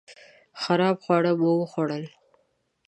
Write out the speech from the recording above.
خراب خواړه مو وخوړل